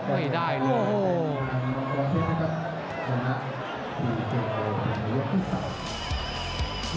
ไม่ได้เลย